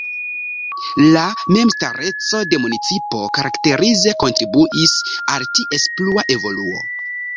La memstareco de municipo karakterize kontribuis al ties plua evoluo.